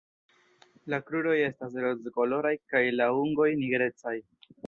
La kruroj estas rozkoloraj kaj la ungoj nigrecaj.